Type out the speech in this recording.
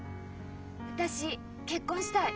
私結婚したい。